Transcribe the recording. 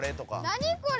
・何これ？